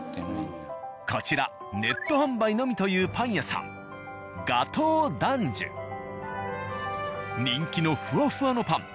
こちらネット販売のみというパン屋さん人気のフワフワのパン。